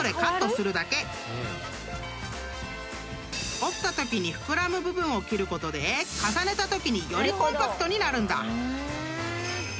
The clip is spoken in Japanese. ［折ったときに膨らむ部分を切ることで重ねたときによりコンパクトになるんだ］